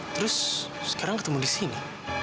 terus sekarang ketemu di sini